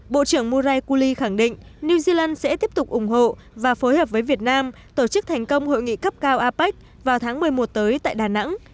bộ trưởng muraikuli khẳng định new zealand sẽ tiếp tục ủng hộ và phối hợp với việt nam tổ chức thành công hội nghị cấp cao apec vào tháng một mươi một tới tại đà nẵng